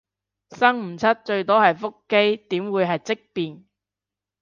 生唔出最多係腹肌，點會係積便